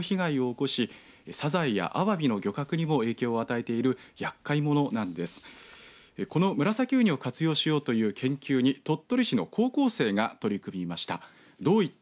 このムラサキウニを活用しようという研究に鳥取市の高校生が取り組みました。